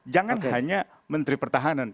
jangan hanya menteri pertahanan